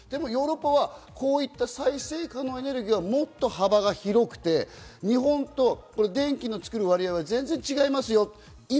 ヨーロッパは再生可能エネルギーはもっと幅が広くて、日本と電気の作る割合が全然違いますよ。